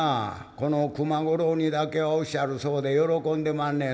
この熊五郎にだけはおっしゃるそうで喜んでまんねん。